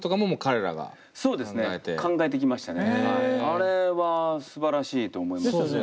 あれはすばらしいと思いましたね。